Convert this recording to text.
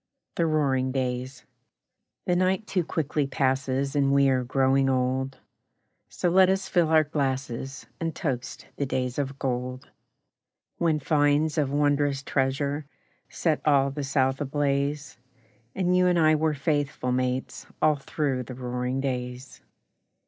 The Roaring Days The night too quickly passes And we are growing old, So let us fill our glasses And toast the Days of Gold; When finds of wondrous treasure Set all the South ablaze, And you and I were faithful mates All through the roaring days!